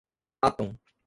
atom